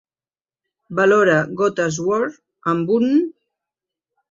Valora "Gota's War" amb un